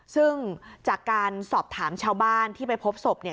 ซึ่งจากการสอบถามชาวบ้านที่ไปพบศพเนี่ย